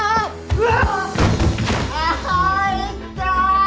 うわ！